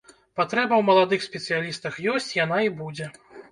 Патрэба ў маладых спецыялістах ёсць, яна і будзе.